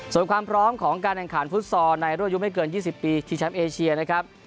ส่วนความพร้อมของการแข่งขันฟุตซอลในรุ่นอายุไม่เกิน๒๐ปีชิงแชมป์เอเชียนะครับ